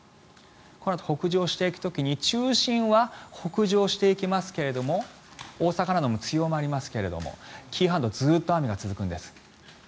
このあと、北上していく時に中心は北上していきますが大阪なども強まりますが紀伊半島ずっと雨が続くんです。